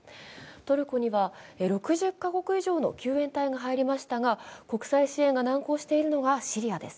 トルコには６０か国以上の救援隊が入りましたが国際支援が難航しているのはシリアです。